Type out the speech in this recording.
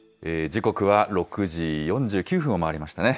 時刻は６時４９分を回りましたね。